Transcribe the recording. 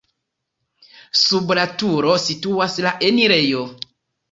Sub la turo situas la enirejo.